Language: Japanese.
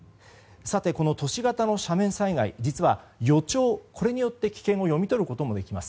都市型の斜面災害実は予兆によって危険を読み取ることもできます。